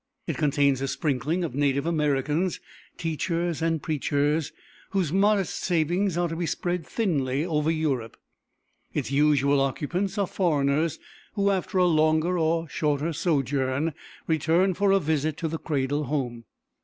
It contains a sprinkling of native Americans, teachers and preachers, whose modest savings are to be spread thinly over Europe; its usual occupants are foreigners, who after a longer or shorter sojourn, return for a visit to the cradle home.